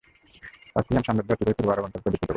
Parthian সাম্রাজ্য অচিরেই পূর্ব আরব অঞ্চলকে অধিকৃত করে।